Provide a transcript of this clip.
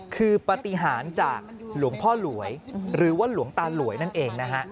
คือปฏิหารจากหลวงพ่อหลวยหรือว่าหลวงตาหลวยนั่นเองนะฮะ